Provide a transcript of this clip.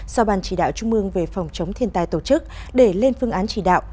sau bàn chỉ đạo trung mương về phòng chống thiên tai tổ chức để lên phương án chỉ đạo